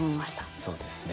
そうですね。